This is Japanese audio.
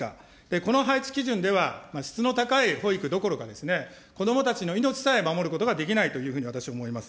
この配置基準では質の高い保育どころか、子どもたちの命さえ守ることができないというふうに私は思います。